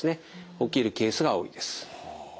起きるケースが多いです。